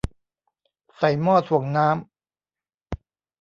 ใส่หม้อถ่วงน้ำ